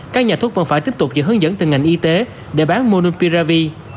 các nhà thuốc vẫn phải tiếp tục dựa hướng dẫn từ ngành y tế để bán monubiravir